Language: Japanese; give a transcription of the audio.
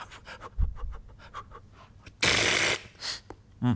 うん。